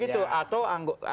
kita lihat di amerika dimana